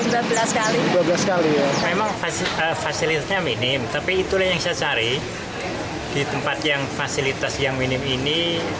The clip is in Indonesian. di tempat yang fasilitas yang minim ini